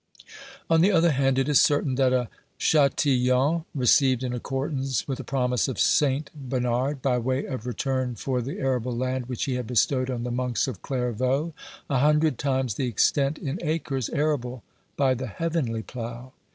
On the other hand, it is certain that a Chatillon received, in accordance with the promise of St. Bernard, by way of 196 OBERMANN return for the arable land which he had bestowed on the monks of Clairvaux, a hundred times the extent in acres arable by the heavenly plough.